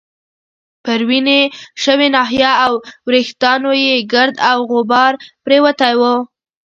پر وینې شوې ناحیه او وریښتانو يې ګرد او غبار پرېوتی وو.